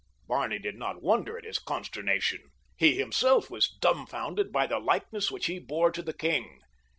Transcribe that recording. Barney did not wonder at his consternation. He himself was dumbfounded by the likeness which he bore to the king.